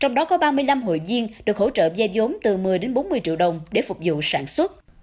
trong đó có ba mươi năm hội viên được hỗ trợ dây giống từ một mươi đến bốn mươi triệu đồng để phục vụ sản xuất